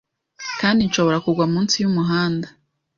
kandi nshobora kugwa munsi y'umuhanda